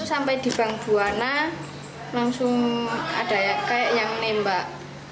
sampai di bang buwana langsung ada kayak yang nembak